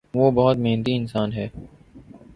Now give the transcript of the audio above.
وہ بہت محنتی انسان ہے۔